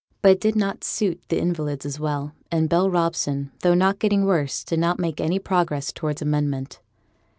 But it did not suit invalids as well, and Bell Robson, though not getting worse, did not make any progress towards amendment.